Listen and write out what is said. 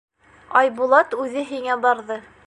Айбулат үҙе һиңә барҙы.